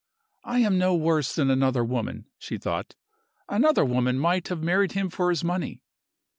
"I am no worse than another woman!" she thought. "Another woman might have married him for his money."